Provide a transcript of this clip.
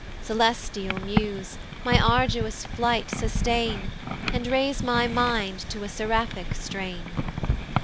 Celestial muse, my arduous flight sustain And raise my mind to a seraphic strain!